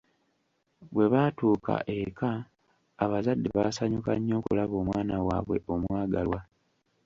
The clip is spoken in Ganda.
Bwe baatuuka eka abazadde baasanyuka nnyo okulaba omwana waabwe omwagalwa.